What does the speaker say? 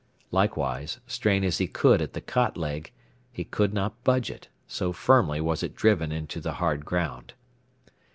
Likewise, strain as he could at the cot leg, he could not budge it, so firmly was it driven into the hard ground.